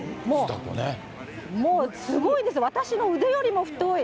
もうすごいんです、私の腕よりも太い。